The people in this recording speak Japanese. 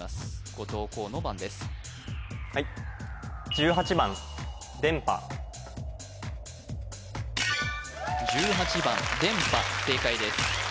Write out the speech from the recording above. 後藤弘の番ですはい１８番でんぱ正解です